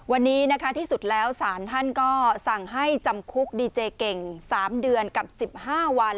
วันนี้นะคะที่สุดแล้วสารท่านก็สั่งให้จำคุกดีเจเก่ง๓เดือนกับ๑๕วัน